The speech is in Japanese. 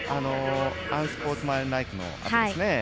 アンスポーツマンライクのあとですね。